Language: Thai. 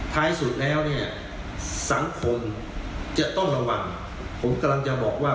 ท้ายสุดแล้วเนี่ยสังคมจะต้องระวังผมกำลังจะบอกว่า